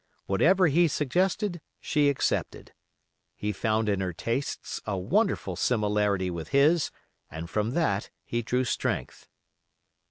Whatever he suggested, she accepted. He found in her tastes a wonderful similarity with his, and from that he drew strength.